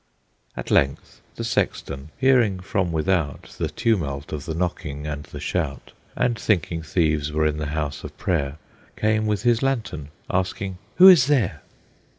At length the sexton, hearing from without The tumult of the knocking and the shout, And thinking thieves were in the house of prayer, Came with his lantern, asking, "Who is there?"